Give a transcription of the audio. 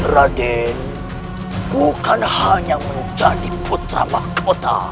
raden bukan hanya menjadi putra mahkota